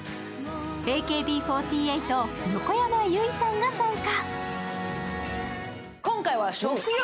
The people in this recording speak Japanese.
ＡＫＢ４８、横山由依さんが参加。